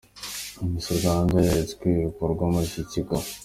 Miss Rwanda yeretswe ibikorerwa muri iki kigo.